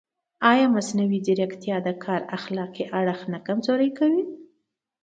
ایا مصنوعي ځیرکتیا د کار اخلاقي اړخ نه کمزوری کوي؟